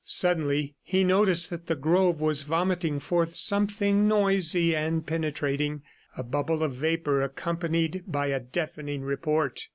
Suddenly he noticed that the grove was vomiting forth something noisy and penetrating a bubble of vapor accompanied by a deafening report.